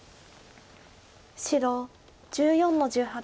白１４の十八。